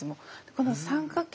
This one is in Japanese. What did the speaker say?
この三角形